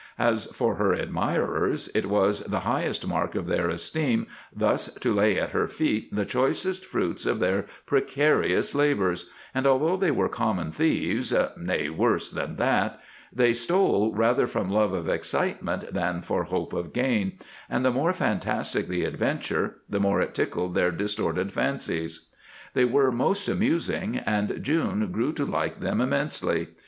As for her admirers, it was the highest mark of their esteem thus to lay at her feet the choicest fruits of their precarious labors, and, although they were common thieves nay, worse than that they stole rather from love of excitement than for hope of gain, and the more fantastic the adventure the more it tickled their distorted fancies. They were most amusing, and June grew to like them immensely.